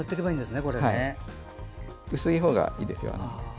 薄いほうがいいです。